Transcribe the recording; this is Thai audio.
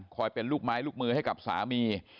เป็นลูกไม้ลูกมือให้กับสามี